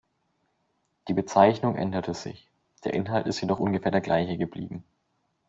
Die Bezeichnung änderte sich, der Inhalt ist jedoch ungefähr der gleiche geblieben.